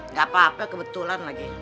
nggak apa apa kebetulan lagi